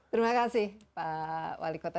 terima kasih pak wali kota